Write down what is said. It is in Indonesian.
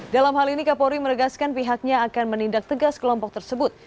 dalam hal ini kapolri menegaskan pihaknya akan menindak tegas kelompok tersebut